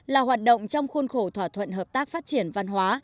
là hoạt động trong khuôn khổ thỏa thuận hợp tác phát triển văn hóa